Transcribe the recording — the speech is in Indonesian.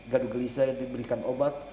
gaduh gelisah diberikan obat